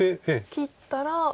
切ったら。